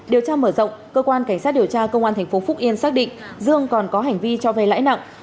điều tra mở rộng cơ quan cảnh sát điều tra công an tp phúc yên xác định dương còn có hành vi cho vay lãi nặng